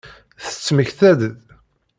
Temmektaḍ-d?